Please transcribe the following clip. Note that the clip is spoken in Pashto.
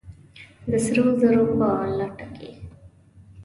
د سرو زرو په لټه کې!